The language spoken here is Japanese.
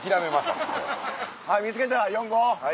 はい見つけた４・５。